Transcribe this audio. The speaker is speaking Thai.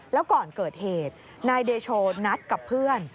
แล้วก่อนเกิดเหตุนายเดโชนัดกับเพื่อน